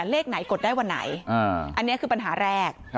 เลขไหนกดได้วันไหนอันนี้คือปัญหาแรก